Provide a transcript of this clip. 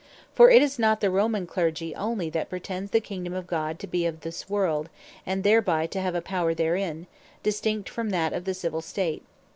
For it is not the Romane Clergy onely, that pretends the Kingdome of God to be of this World, and thereby to have a Power therein, distinct from that of the Civill State.